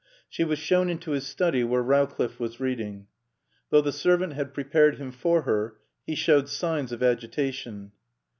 She was shown into his study, where Rowcliffe was reading. Though the servant had prepared him for her, he showed signs of agitation.